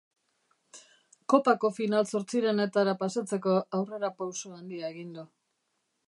Kopako final zortzirenetara pasatzeko aurrerapauso handia egin du.